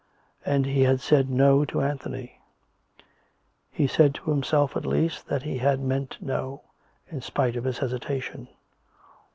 And he had said " No " to Anthony; he said to himself at least that he had meant " No," in spite of his hesitation.